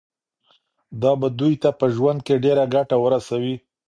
دا به دوی ته په ژوند کي ډیره ګټه ورسوي.